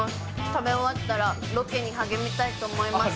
食べ終わったら、ロケに励みたいと思います。